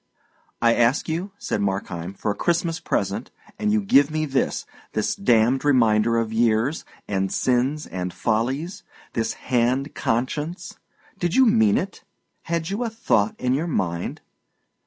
"I ask you," said Markheim, "for a Christmas present, and you give me this this damned reminder of years, and sins and follies this hand conscience! Did you mean it? Had you a thought in your mind?